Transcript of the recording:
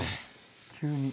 急に。